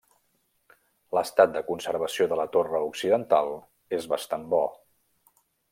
L’estat de conservació de la torre occidental és bastant bo.